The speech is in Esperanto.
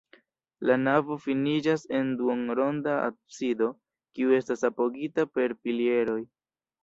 La navo finiĝas en duonronda absido, kiu estas apogita per pilieroj.